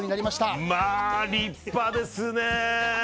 まあ立派ですね！